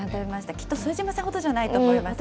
きっと副島さんほどじゃないと思いますけど。